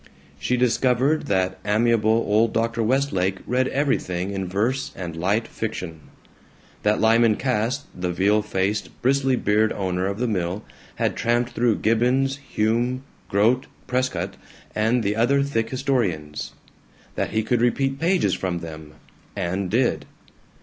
She discovered that amiable old Dr. Westlake read everything in verse and "light fiction"; that Lyman Cass, the veal faced, bristly bearded owner of the mill, had tramped through Gibbon, Hume, Grote, Prescott, and the other thick historians; that he could repeat pages from them and did.